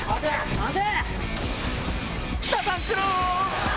待て！